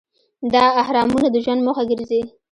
دا اهرامونه د ژوند موخه ګرځي.